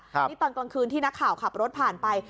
นี่ตอนกลางคืนที่นักข่าวขับรถผ่านไป